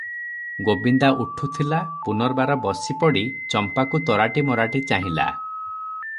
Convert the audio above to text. ଗୋବିନ୍ଦା ଉଠୁଥିଲା, ପୁନର୍ବାର ବସିପଡ଼ି ଚମ୍ପାକୁ ତରାଟିମରାଟି ଚାହିଁଲା ।